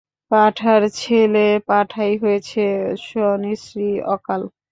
পাঠার ছেলে পাঠাই হয়েছে, শনি শ্রী অকাল।